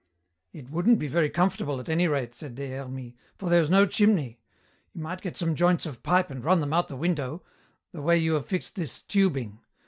"It wouldn't be very comfortable at any rate," said Des Hermies, "for there is no chimney. You might get some joints of pipe and run them out of the window, the way you have fixed this tubing.